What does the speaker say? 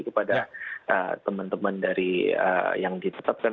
kepada teman teman dari yang ditetapkan